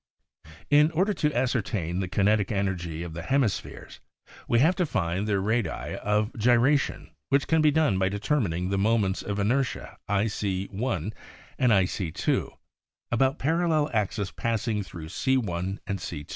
In order to ascertain the kinetic energy of the hemispheres we have to find their radii of gyration which can be done by determining the moments of inertia Io and Ic2 about parallel axes passing thru o and C2.